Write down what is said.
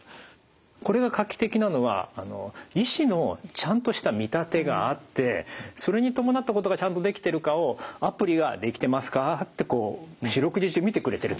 これが画期的なのは医師のちゃんとした見立てがあってそれに伴ったことがちゃんとできてるかをアプリができてますかってこう四六時中見てくれてるって